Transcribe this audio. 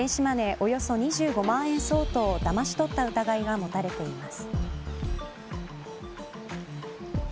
およそ２５万円相当をだまし取った疑いが持たれています。